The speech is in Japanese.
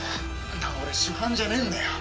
俺主犯じゃねえんだよ。